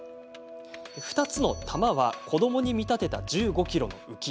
２つの玉は子どもに見立てた１５ｋｇのうき。